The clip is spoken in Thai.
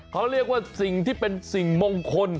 เขาเรียกว่าสิ่งที่เป็นสิ่งมงคล